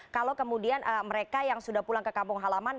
kalau kemudian mereka yang sudah pulang ke kampung halaman